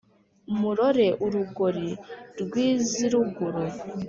murore urugori rw’iz’iruguru